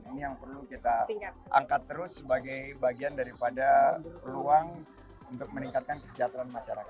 ini yang perlu kita angkat terus sebagai bagian daripada peluang untuk meningkatkan kesejahteraan masyarakat